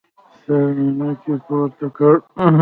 سر مې نوکى پورته کړ.